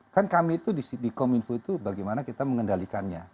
kan kami itu di kominfo itu bagaimana kita mengendalikannya